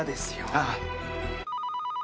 ああ。